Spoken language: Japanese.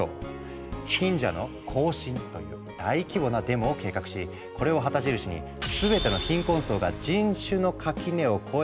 「貧者の行進」という大規模なデモを計画しこれを旗印にと訴えた。